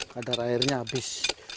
kadar airnya habis